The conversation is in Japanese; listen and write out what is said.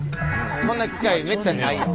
こんな機会めったにないよ。